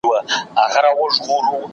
د موټر هارن بې ځایه مه ږغوئ.